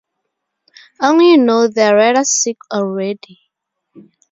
Only you know they're rather sick already.